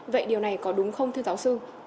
vậy điều này có đúng không thưa giáo sư